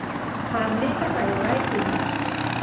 حملې ته تیاری کوي.